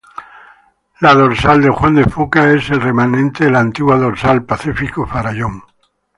La dorsal de Juan de Fuca es el remanente de la antigua dorsal Pacífico-Farallón.